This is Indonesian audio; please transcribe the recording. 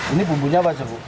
ini bumbunya apa aja bu